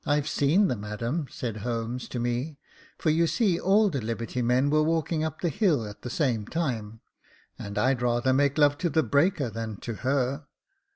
* I've seen the madam,' said Holmes to me — for you see all the liberty men were walking up the hill at the same time —* and I'd rather make love to the breaker than to her.